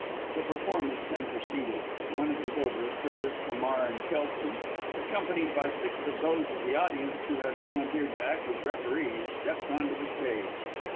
The performance then proceeded, and when it was over, Curtis, Hamar and Kelson, accompanied by six of those of the audience who had volunteered to act as referees, stepped on to the stage.